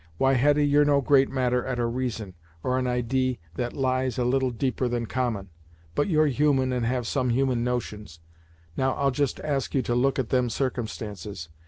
Why, Hetty, you're no great matter at a reason, or an idee that lies a little deeper than common, but you're human and have some human notions now I'll just ask you to look at them circumstances.